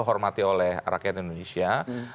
hormati oleh rakyat indonesia